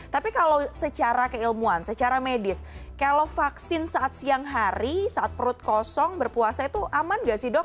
tapi kalau secara keilmuan secara medis kalau vaksin saat siang hari saat perut kosong berpuasa itu aman gak sih dok